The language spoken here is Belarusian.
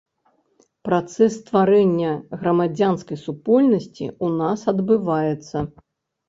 Працэс стварэння грамадзянскай супольнасці ў нас адбываецца.